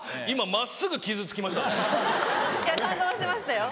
今真っすぐ傷つきました。